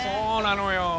そうなのよ。